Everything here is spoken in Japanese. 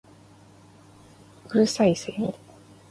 五月蠅いセミ